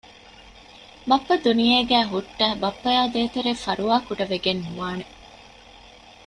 ބައްޕަ ދުނިޔޭގައި ހުއްޓައި ބައްޕައާއި ދޭތެރޭ ފަރުވާކުޑަ ވެގެން ނުވާނެ